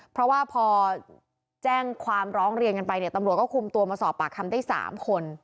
เพราะว่าพอแจ้งความร้องเรียนกันไปเนี่ยตำรวจก็คุมตัวมาสอบปากคำได้๓คน